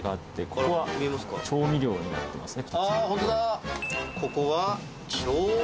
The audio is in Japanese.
ここは調味料が入ってます。